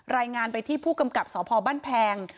รายงานไปที่ผู้กำกับสพบ้านแพง